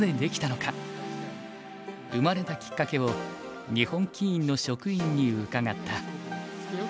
生まれたきっかけを日本棋院の職員に伺った。